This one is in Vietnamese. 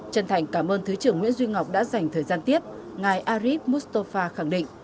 chân thành cảm ơn thứ trưởng nguyễn duy ngọc đã dành thời gian tiếp ngài arif mustafa khẳng định